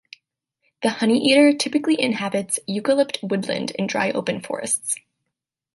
The honeyeater typically inhabits eucalypt woodland and dry open forests.